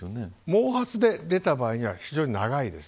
毛髪で出た場合には非常に長いです。